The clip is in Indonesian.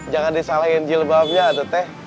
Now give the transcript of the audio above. jangan disalahin jilbabnya teh